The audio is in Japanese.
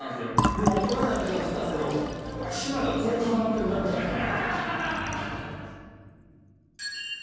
でも大人になってから知ったんすけど島がこう重なってるだけなんすよね。